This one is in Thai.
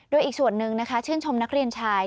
โดยอีกส่วนหนึ่งนะคะชื่นชมนักเรียนชาย